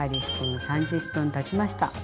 君３０分たちました。